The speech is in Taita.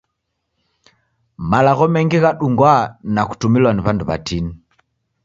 Malagho mengi ghadungwa na kutumilwa ni w'andu w'atini.